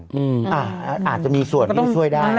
นั่นแหละอาจจะมีส่วนนี้ช่วยได้